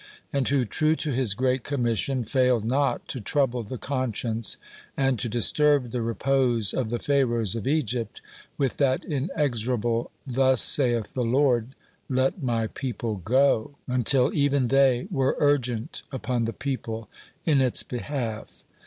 and who, true to his great commission, failed not to trouble the conscience and to disturb the repose of the Pharaohs of Egypt with that inexorable, " Thus saith the Lord : Let my people go !" until even they were urgent upon the people in its behalf.